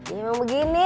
ini emang begini